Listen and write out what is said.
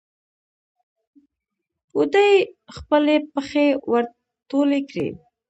بوډۍ خپلې پښې ور ټولې کړې.